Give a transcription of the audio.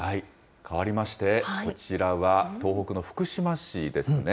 変わりまして、こちらは、東北の福島市ですね。